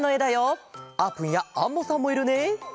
あーぷんやアンモさんもいるね。